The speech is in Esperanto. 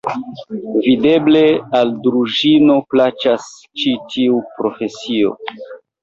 Videble, al Druĵino plaĉas ĉi tiu profesio!